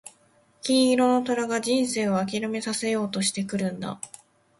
金色の虎が人生を諦めさせようとしてくるんだ。